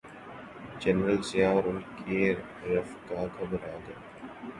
General Zia اور ان کے رفقاء گھبرا گئے۔